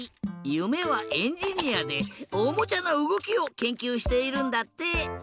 ゆめはエンジニアでおもちゃのうごきをけんきゅうしているんだって！